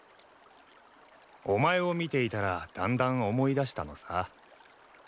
お前を見ていたらだんだん思い出したのさ。